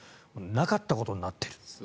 なかったことになっている。